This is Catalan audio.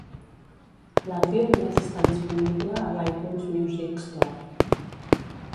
L'àudio només està disponible a l'iTunes Music Store.